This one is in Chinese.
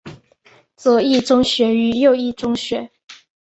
左翼宗学与右翼宗学。